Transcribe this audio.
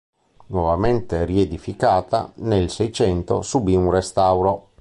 Nuovamente riedificata, nel Seicento subì un restauro.